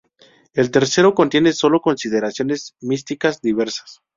El tercero contiene solo consideraciones místicas diversas.